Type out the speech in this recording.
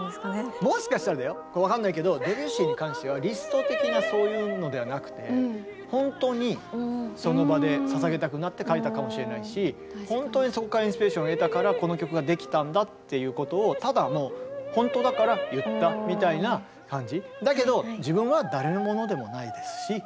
もしかしたらだよ分かんないけどドビュッシーに関してはリスト的なそういうのではなくて本当にその場でささげたくなって書いたかもしれないし本当にそこからインスピレーションを得たからこの曲ができたんだっていうことをただもう本当だから言ったみたいな感じ。